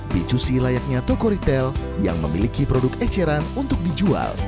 b dua c layaknya toko retail yang memiliki produk eceran untuk dijual